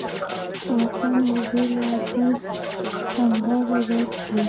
وطن وبېله، اتل تمغه به درکړي